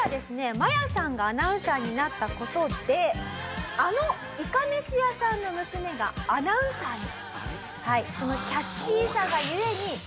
マヤさんがアナウンサーになった事で「あのいかめし屋さんの娘がアナウンサーに！？」。